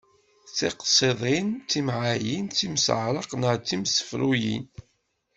Tiqṣiḍin, timɛayin, timseɛraq neɣ timsefruyin.